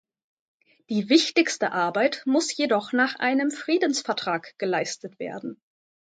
Die wichtigste Arbeit muss jedoch nach einem Friedensvertrag geleistet werden.